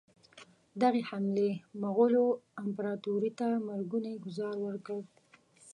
دغې حملې مغولو امپراطوري ته مرګونی ګوزار ورکړ.